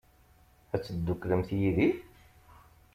Ad tedduklemt yid-i?